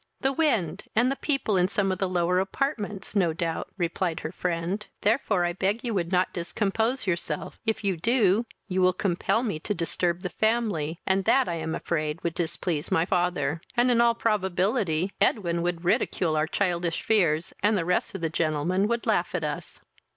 "The wind, and the people in some of the lower apartments; no doubt, (replied her friend;) therefore I beg you would not discompose yourself; if you do, you will compel me to disturb the family, and that I am afraid would displease my father; and, in all probability, Edwin would ridicule our childish fears, and the rest of the gentlemen would laugh at us."